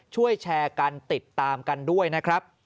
ช่วยกันแชร์กันติดตามกันด้วยนะครับ